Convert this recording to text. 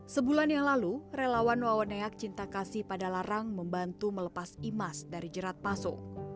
sebulan yang lalu relawan wawaneak cinta kasih pada larang membantu melepas imas dari jerat palsu